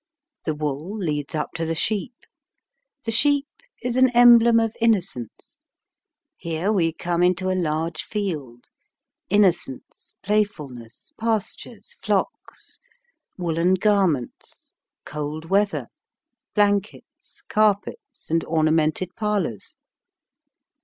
The wool leads up to the sheep. The sheep is an em blem of innocence; here we come into a large field, innocence, playfulness, pastures, flocks, woolen garments, cold weather, blankets, carpets, and ornamented parlors.